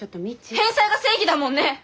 返済が正義だもんね！